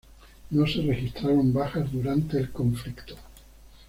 No se registraron bajas durante el conflicto.